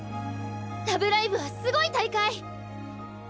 「ラブライブ！」はすごい大会！